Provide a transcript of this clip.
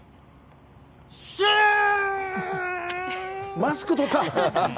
マスク取った。